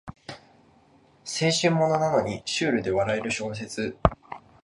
青春ものなのにシュールで笑える小説